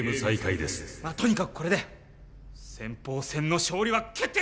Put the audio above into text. まあとにかくこれで先鋒戦の勝利は決定じゃん！